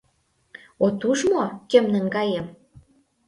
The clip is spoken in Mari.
От уж мо, кӧм наҥгаем!